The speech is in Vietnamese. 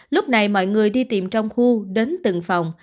lúc này mọi người đi tìm trong khu đến từng phòng